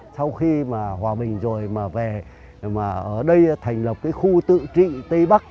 sau khi mà hòa bình rồi mà về mà ở đây thành lập cái khu tự trị tây bắc